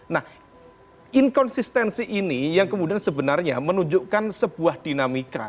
nah inkonsistensi ini yang kemudian sebenarnya menunjukkan sebuah dinamika